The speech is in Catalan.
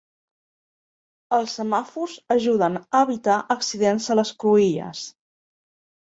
Els semàfors ajuden a evitar accidents a les cruïlles.